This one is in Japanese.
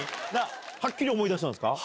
はっきり思い出したんですか？